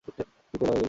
কি পেলাম এগুলা?